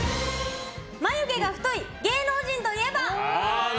眉毛が太い芸能人といえば？